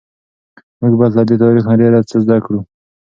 موږ باید له دې تاریخ نه ډیر څه زده کړو.